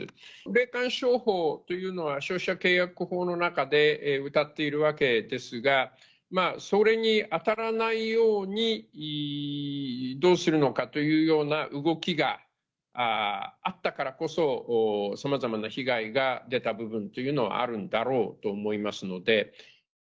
霊感商法というのは、消費者契約法の中でうたっているわけですが、それに当たらないようにどうするのかというような動きがあったからこそ、さまざまな被害が出た部分というのはあるだろうと思いますので。